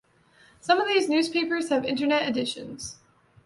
Some of these newspapers have Internet editions.